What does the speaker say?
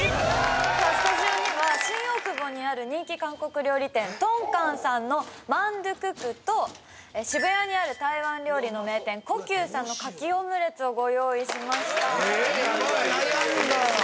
スタジオには新大久保にある人気韓国料理店豚かんさんのマンドゥククと渋谷にある台湾料理の名店故宮さんの牡蠣オムレツをご用意しました